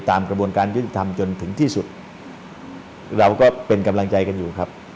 ตามกระบวนการยุติธรรมจนถึงที่สุดเราก็เป็นกำลังใจกันอยู่ครับ